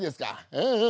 うんうん